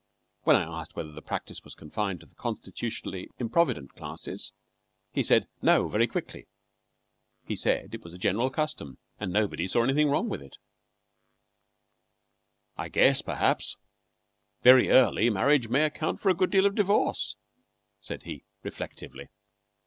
And when I asked whether the practice was confined to the constitutionally improvident classes, he said "No" very quickly. He said it was a general custom, and nobody saw anything wrong with it. "I guess, perhaps, very early marriage may account for a good deal of the divorce," said he, reflectively.